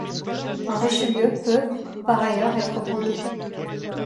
Un Richelieu peut, par ailleurs, être brogué.